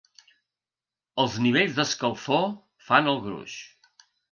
Els nivells d’escalfor fan el gruix.